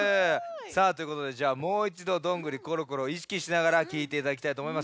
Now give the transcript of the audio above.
さあということでじゃあもういちど「どんぐりころころ」をいしきしながらきいていただきたいとおもいます。